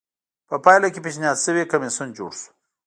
په پایله کې پېشنهاد شوی کمېسیون جوړ شو